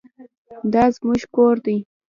دا زموږ کور دی